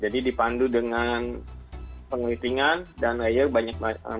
jadi dipandu dengan pengelitingan dan layer banyak melakukan di bagian samping